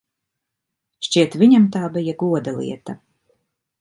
Šķiet, viņam tā bija goda lieta.